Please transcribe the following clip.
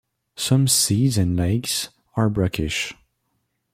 Some seas and lakes are brackish.